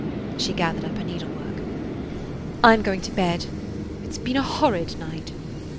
She gathered up her needlework. "I 'm going to bed. It 's been a horrid night."